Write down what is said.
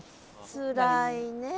つらいねえ。